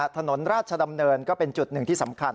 ถนนราชดำเนินก็เป็นจุดหนึ่งที่สำคัญ